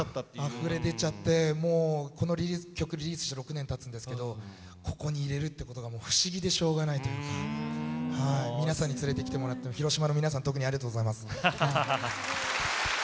あふれ出ちゃってもうこの曲リリースして６年たつんですけどここにいれるってことがもう不思議でしょうがないというかはい皆さんに連れてきてもらってハハハハハハ！